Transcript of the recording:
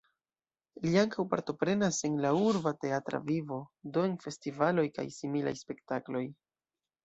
Li ankaŭ partoprenas en la urba teatra vivo, do en festivaloj kaj similaj spektakloj.